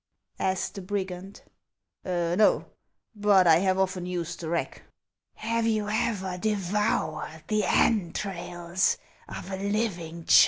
asked the brigand. " Xo ; but I have often used the rack." " Have you ever devoured the entrails of a living child